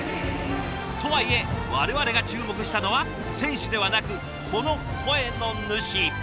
とはいえ我々が注目したのは選手ではなくこの声の主。